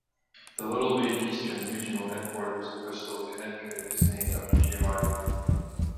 The Little League Eastern Regional Headquarters in Bristol, Connecticut is named after Giamatti.